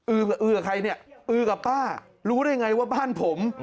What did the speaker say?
อือกับใครเนี่ยอือกับป้ารู้ได้ไงว่าบ้านผม